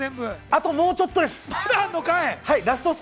あともうちょっとです。